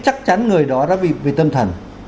chắc chắn người đó đã bị tâm thần